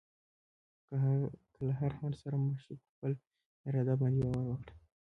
که له هر خنډ سره مخ شې، په خپل اراده باندې باور وکړه.